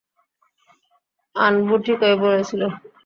আনবু ঠিকই বলেছিল।